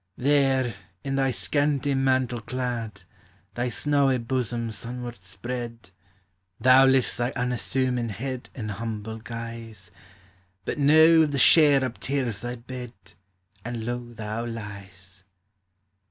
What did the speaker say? There, in thy scanty mantle clad, Thy snawie bosom sunward spread, Thou lifts thy unassuming head In humble guise; But now the share uptears thy bed, And low thou lies!